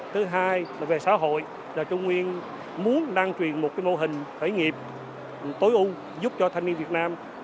thứ hai là về xã hội là trung nguyên muốn đăng truyền một mô hình khởi nghiệp tối ưu giúp cho thanh niên việt nam